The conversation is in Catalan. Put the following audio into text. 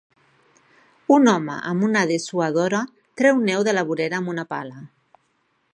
Un home amb dessuadora treu neu de la vorera amb una pala.